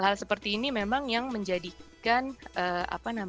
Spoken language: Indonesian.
jadi hal hal seperti ini memang menjadikan citra islam dan muslim